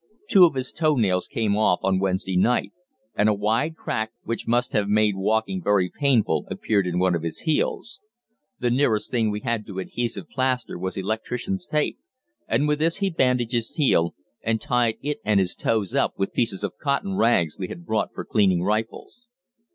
Two of his toe nails came off on Wednesday night, and a wide crack, which must have made walking very painful, appeared in one of his heels. The nearest thing we had to adhesive plaster was electrician's tape, and with this he bandaged his heel, and tied it and his toes up with pieces of cotton rags we had brought for cleaning rifles.